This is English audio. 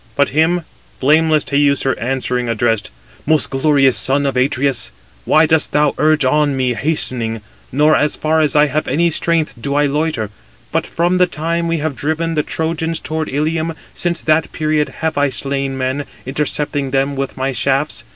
6. But him blameless Teucer answering, addressed: "Most glorious son of Atreus, why dost thou urge on me hastening; nor, as far as I have any strength, do I loiter: but from the time we have driven the Trojans towards Ilium, since that period have I slain men, intercepting them with my shafts.